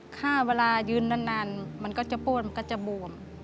เวลายืนนานมันก็จะป้วนมันก็จะบวม